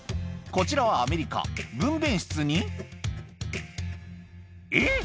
こちらはアメリカ分娩室にえっ！